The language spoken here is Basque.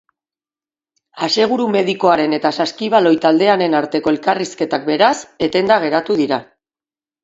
Aseguru medikoaren eta saskibaloi taldearen arteko elkarrizketak, beraz, etenda geratu dira.